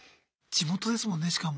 地元ですもんねしかも。